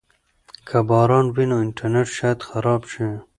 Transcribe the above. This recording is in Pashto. که باران وي نو انټرنیټ شاید خراب شي.